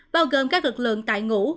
bao gồm các lực lượng tại ngủ